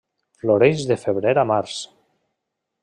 Floreix de febrer a març.